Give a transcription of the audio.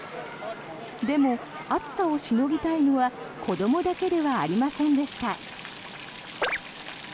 でも、暑さをしのぎたいのは子どもだけではありませんでした。